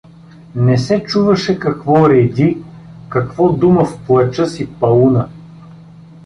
Не се чуваше какво реди, какво дума в плача си Пауна.